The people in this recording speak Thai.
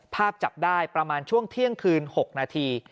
จับได้ประมาณช่วงเที่ยงคืน๖นาที